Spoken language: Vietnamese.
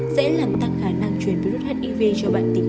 sẽ làm tăng khả năng truyền hiv cho bạn tình